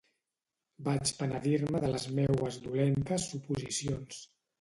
Vaig penedir-me de les meues dolentes suposicions.